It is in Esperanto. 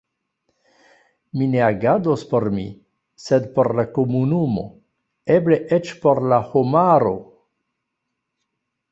Mi ne agados por mi, sed por la komunumo, eble eĉ por la homaro.